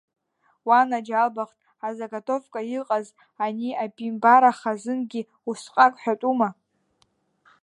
Уанаџьалбахт, азагатовка иҟаз, ани абимбараха азынгьы усҟак ҳәатәума…